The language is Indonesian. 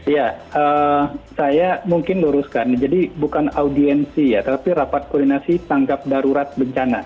ya saya mungkin luruskan jadi bukan audiensi ya tetapi rapat koordinasi tangkap darurat bencana